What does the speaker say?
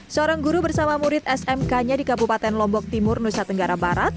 seorang guru bersama murid smk nya di kabupaten lombok timur nusa tenggara barat